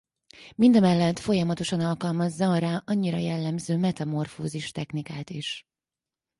Mindemellett folyamatosan alkalmazza a rá annyira jellemző metamorfózis technikát is.